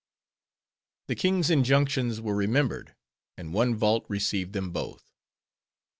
The king's injunctions were remembered; and one vault received them both.